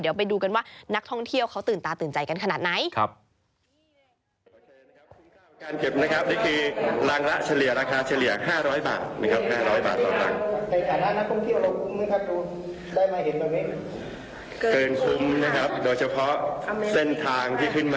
เดี๋ยวไปดูกันว่านักท่องเที่ยวเขาตื่นตาตื่นใจกันขนาดไหน